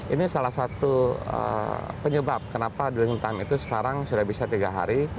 ini salah satu penyebab kenapa dling time itu sekarang sudah bisa tiga hari